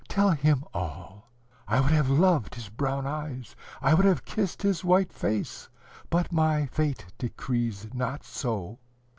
Tell him all: I would have loved his brown eyes, I would have kissed his white face, but my fate decrees not so.